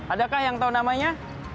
adakah yang tahu namanya